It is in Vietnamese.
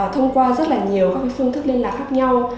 thông qua rất là nhiều các phương thức liên lạc khác nhau